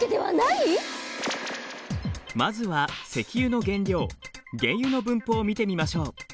まずは石油の原料原油の分布を見てみましょう。